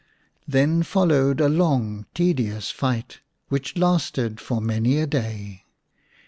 Then followed a long, tedious fight, which lasted for many a day.